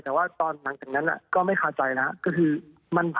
แต่ว่าตอนหลังจากนั้นก็ไม่คาใจแล้วก็คือ